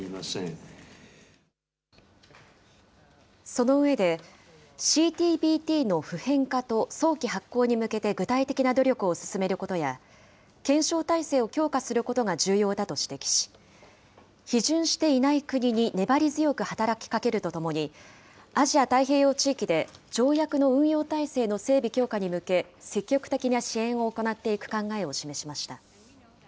その上で、ＣＴＢＴの普遍化と早期発効に向けて、具体的な努力を進めることや、検証体制を強化することが重要だと指摘し、批准していない国に粘り強く働きかけるとともに、アジア・太平洋地域で条約の運用体制の整備強化に向け、積極的な支援を行っていく考えを示しました。